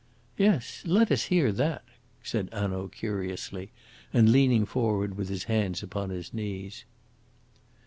"Yes, let us hear that," said Hanaud curiously, and leaning forward with his hands upon his knees.